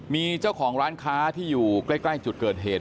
มีเจ้าของร้านค้าที่อยู่ใกล้จุดเกิดเหตุ